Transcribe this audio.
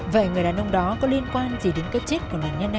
vậy người đàn ông đó có liên quan gì đến cái chết của nạn nhân hay không